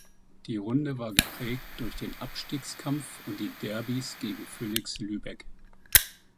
Die Runde war geprägt durch den Abstiegskampf und die Derbys gegen Phönix Lübeck.